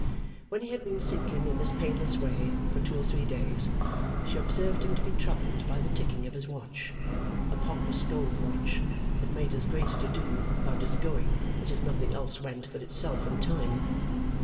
When he had been sinking in this painless way for two or three days, she observed him to be troubled by the ticking of his watch a pompous gold watch that made as great a to do about its going as if nothing else went but itself and Time.